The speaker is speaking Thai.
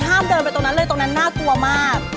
ห้ามเดินไปตรงนั้นเลยตรงนั้นน่ากลัวมาก